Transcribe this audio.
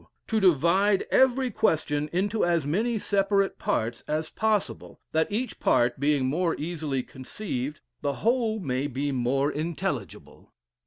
To divide every question into as many separate parts as possible, that each part being more easily conceived, the whole may be more intelligible.